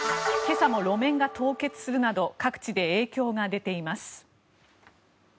今朝も路面が凍結するなど各地で影響が出ています。